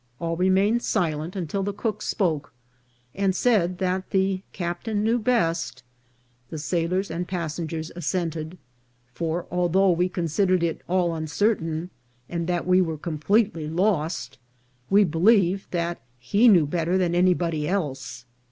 All remained silent until the cook spoke, and said that the captain knew best ; the sailors and passengers assented ; for, although we considered it all uncertain, and that we were completely lost, we believed that he knew better than anybody else.